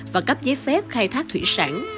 và cấp giấy phép khai thác thủy sản